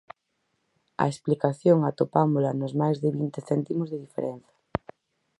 A explicación atopámola nos máis de vinte céntimos de diferenza.